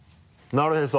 なるへそ！